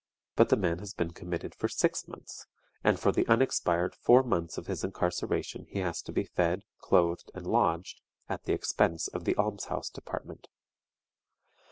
But the man has been committed for six months, and for the unexpired four months of his incarceration he has to be fed, clothed, and lodged at the expense of the Alms house Department.